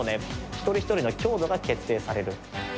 一人一人の強度が決定される。